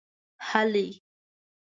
هلئ!